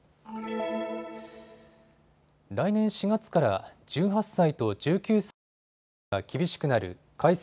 来年４月から１８歳と１９歳への扱いが厳しくなる改正